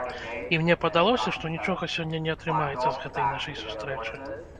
І мне падалося, што нічога сёння не атрымаецца з гэтай нашай сустрэчы.